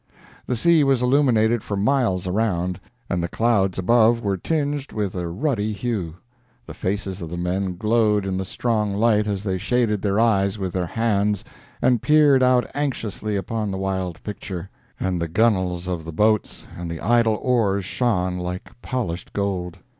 The sea was illuminated for miles around, and the clouds above were tinged with a ruddy hue; the faces of the men glowed in the strong light as they shaded their eyes with their hands and peered out anxiously upon the wild picture, and the gunwales of the boats and the idle oars shone like polished gold.